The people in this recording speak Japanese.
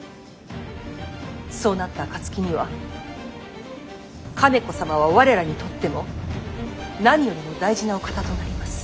そうなった暁には兼子様は我らにとっても何よりも大事なお方となります。